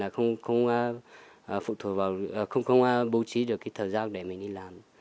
không phụ thuộc vào không bố trí được cái thời gian để mình đi làm